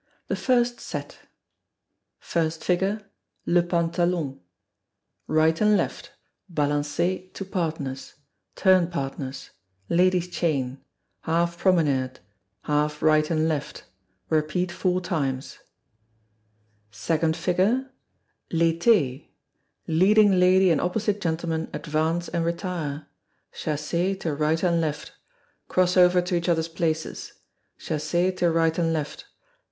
The First Set. First Figure, Le Pantalon. Right and left. Balancez to partners; turn partners. Ladies' chain. Half promenade; half right and left. (Four times.) Second Figure, L'Été. Leading lady and opposite gentleman advance and retire; chassez to right and left; cross over to each other's places; chassez to right and left.